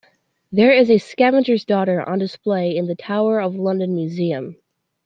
There is a Scavenger's daughter on display in the Tower of London museum.